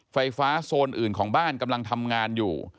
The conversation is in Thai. ไฟฟ้าโซนอื่นของบ้านกำลังทำงานอยู่